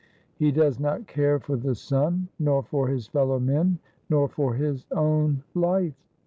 He does not care for the sun, nor for his fellow men, nor for his own life.